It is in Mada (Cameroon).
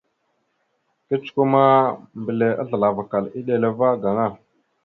Kecəkwe ma, mbelle azləlavakal eɗela va gaŋa.